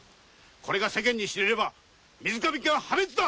これが世間に知れれば水上家は破滅だ！